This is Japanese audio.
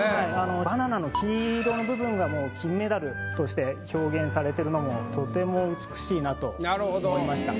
バナナの黄色の部分が金メダルとして表現されてるのもとても美しいなと思いました。